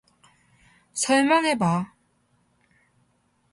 설명해봐.